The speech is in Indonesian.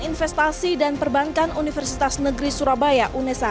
investasi dan perbankan universitas negeri surabaya unesa